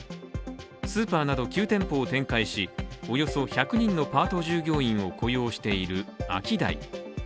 スーパーなど９店舗を展開し、およそ１００人のパート従業員を雇用しているアキダイ。